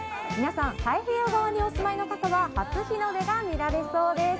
太平洋側にお住まいの方は初日の出が見られそうです。